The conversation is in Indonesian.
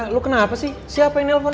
lu kenapa sih siapa yang nelfon